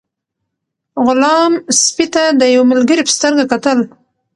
غلام سپي ته د یو ملګري په سترګه کتل.